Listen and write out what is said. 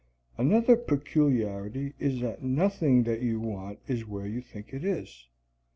Another peculiarity is that nothing that you want is where you think it is.